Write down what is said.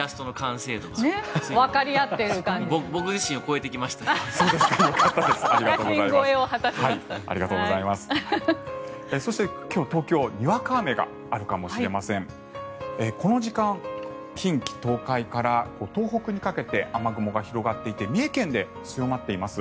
この時間、近畿・東海から東北にかけて雨雲が広がっていて三重県で強まっています。